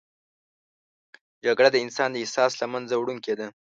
جګړه د انسان د احساس له منځه وړونکې ده